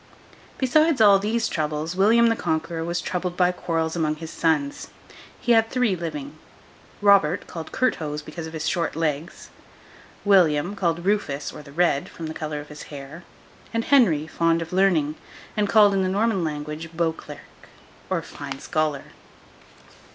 Besides all these troubles, William the Conqueror was troubled by quarrels among his sons. He had three living. Robert, called Curthose, because of his short legs; William, called Rufus or the Red, from the colour of his hair; and Henry, fond of learning, and called, in the Norman language, Beauclerc, or Fine Scholar.